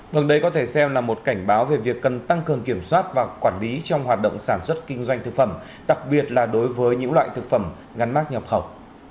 vâng đây có thể xem là một cảnh báo về việc cần tăng cường kiểm soát và quản lý trong hoạt động sản xuất kinh doanh thực phẩm đặc biệt là đối với những loại thực phẩm ngắn mát nhập khẩu